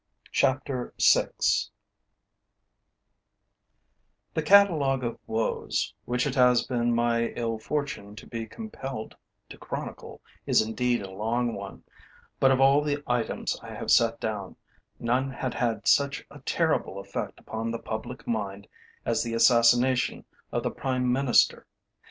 CHAPTER VI The catalogue of woes, which it has been my ill fortune to be compelled to chronicle, is indeed a long one, but of all the items I have set down, none had had such a terrible effect upon the public mind as the assassination of the Prime Minister.